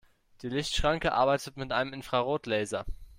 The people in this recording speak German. Die Lichtschranke arbeitet mit einem Infrarotlaser.